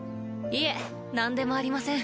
いえなんでもありません。